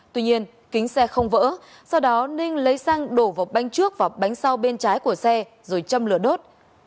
tuy nhiên kính xe không vỡ sau đó ninh lấy xăng đổ vào bên trước và bánh sau bên trái của xe rồi châm lửa đốt